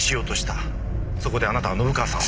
そこであなたは信川さんを。